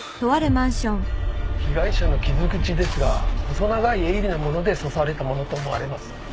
被害者の傷口ですが細長い鋭利なもので刺されたものと思われます。